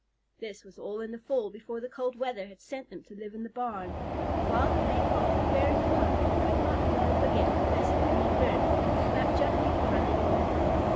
This was all in the fall, before the cold weather had sent them to live in the barn, and while the Bay Colt was wearing the poke he could not well forget the lesson he had learned about jumping and running away.